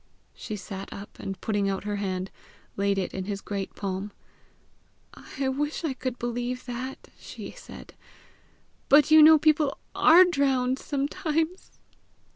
She sat up, and putting out her hand, laid it in his great palm. "I wish I could believe that!" she said; "but you know people ARE drowned sometimes!"